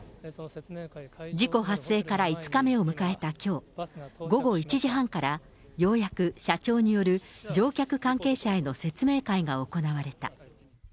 事故発生から５日目を迎えた、きょう、午後１時半からようやく、社長による乗客関係者への説明会が行われた。